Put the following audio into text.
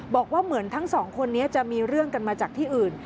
บอกว่าเหมือนทั้งสองคนนี้จะมีเรื่องกันมาจากที่อื่น